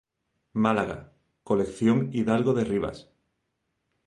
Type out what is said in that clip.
Málaga, colección Hidalgo de Rivas.